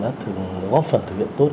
đã góp phần thực hiện tốt